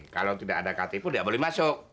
kalau tidak ada ktp tidak boleh masuk